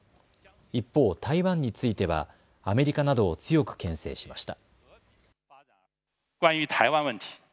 一方、台湾についてはアメリカなどを強くけん制しました。